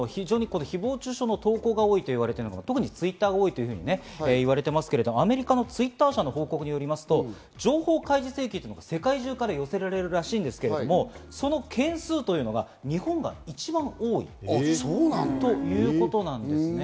誹謗中傷の投稿が多いと言われているのが特にＴｗｉｔｔｅｒが多いと言われていますけど、アメリカのＴｗｉｔｔｅｒ社の報告によりますと、情報開示請求というのは世界から寄せられるらしいんですけど、その件数というのが、日本が一番多いということなんですね。